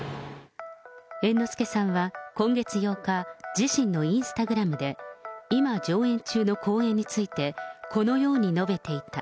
猿之助さんは今月８日、自身のインスタグラムで、今、上演中の公演について、このように述べていた。